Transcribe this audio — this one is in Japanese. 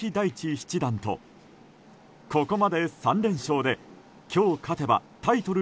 七段とここまで３連勝で今日勝てばタイトル